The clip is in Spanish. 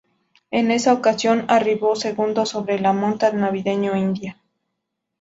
En esa ocasión arribó segundo sobre la monta de "Navideño Indio".